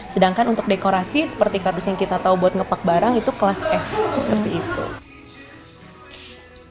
sedangkan untuk dekorasi seperti kardus yang kita tahu buat ngepak barang itu kelas f itu seperti itu